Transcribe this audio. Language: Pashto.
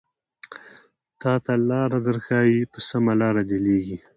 تاته لاره درښايې په سمه لاره دې ليږي